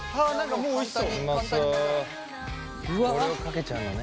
これをかけちゃうのね。